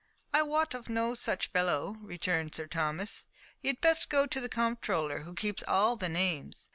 "I wot of no such fellow," returned Sir Thomas, "you had best go to the comptroller, who keeps all the names."